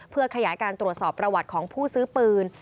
เพื่อขยายการตรวจสอบประวัติของผู้ซื้อปืน